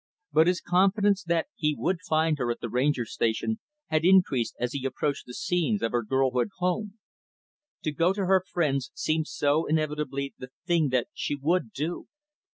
But his confidence that he would find her at the Ranger Station had increased as he approached the scenes of her girlhood home. To go to her friends, seemed so inevitably the thing that she would do.